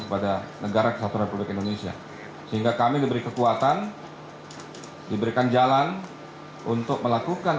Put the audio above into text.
kepada negara kesatuan republik indonesia sehingga kami diberi kekuatan diberikan jalan untuk melakukan